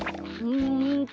うん。